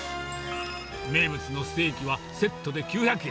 名物のステーキは、セットで９００円。